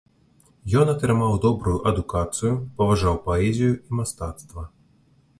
Ён атрымаў добрую адукацыю, паважаў паэзію і мастацтва.